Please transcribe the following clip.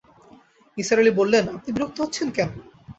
নিসার আলি বললেন, আপনি বিরক্ত হচ্ছেন কেন?